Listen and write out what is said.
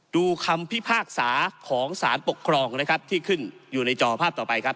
คำพิพากษาของสารปกครองนะครับที่ขึ้นอยู่ในจอภาพต่อไปครับ